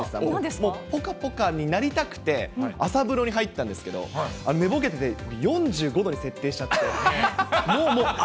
もうぽかぽかになりたくて、朝風呂に入ったんですけど、寝ぼけてて、４５度に設定しちゃって、えー！